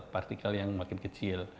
partikel yang makin kecil